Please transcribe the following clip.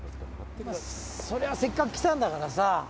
そりゃせっかく来たんだからさ。